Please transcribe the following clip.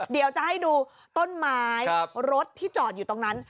เดี๋ยวจะให้ดูต้นไม้รถที่จอดอยู่ตรงนั้น